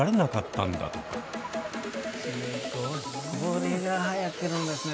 すごい！これがはやってるんですね